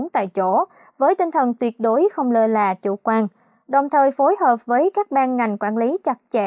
bốn tại chỗ với tinh thần tuyệt đối không lơ là chủ quan đồng thời phối hợp với các ban ngành quản lý chặt chẽ